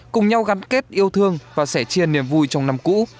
cùng nhau gắn kết yêu thương và sẻ chia niềm vui trong năm cũ